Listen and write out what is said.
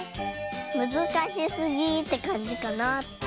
むずかしすぎってかんじかな。